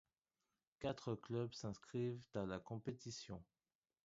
Quatre club s'inscrivent à la compétition.